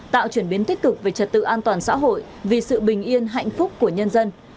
tạo chuyển biến tích cực về trật tự an toàn xã hội vì sự bình yên hạnh phúc của nhân dân